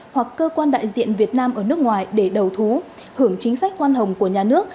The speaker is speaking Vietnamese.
hoặc cơ quan đại diện việt nam ở nước ngoài để đầu thú hưởng chính sách khoan hồng của nhà nước